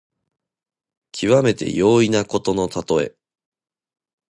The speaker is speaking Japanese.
きわめて容易なことのたとえ。